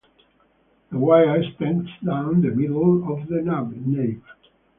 The wire extends down the middle of the nave.